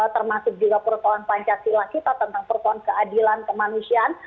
termasuk juga perusahaan pancasila kita tentang perusahaan keadilan kemanusiaan